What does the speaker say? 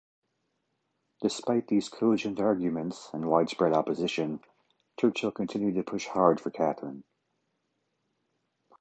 Despite these cogent arguments, and widespread opposition, Churchill continued to push hard for Catherine.